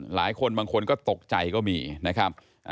บางคนบางคนก็ตกใจก็มีนะครับ